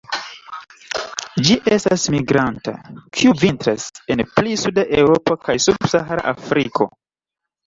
Ĝi estas migranta, kiu vintras en pli suda Eŭropo kaj sub-Sahara Afriko.